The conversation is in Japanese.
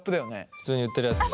普通に売ってるやつだよね。